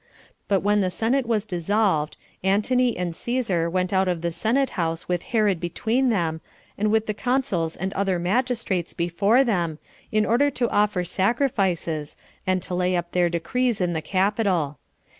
But when the senate was dissolved, Antony and Cæsar went out of the senate house with Herod between them, and with the consuls and other magistrates before them, in order to offer sacrifices, and to lay up their decrees in the capitol.